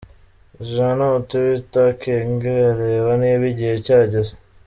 Jeannnot Witakenge areba niba igihe cyageze.